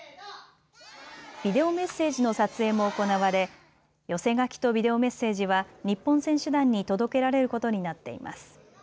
ビデオメッセージの撮影も行われ寄せ書きとビデオメッセージは、日本選手団に届けられることになっています。